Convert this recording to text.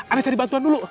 anda cari bantuan dulu